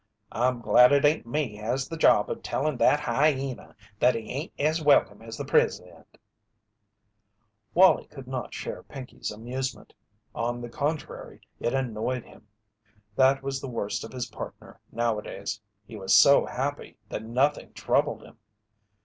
"I'm glad it ain't me has the job of tellin' that hyena that he ain't as welcome as the President." Wallie could not share Pinkey's amusement. On the contrary, it annoyed him. That was the worst of his partner nowadays, he was so happy that nothing troubled him.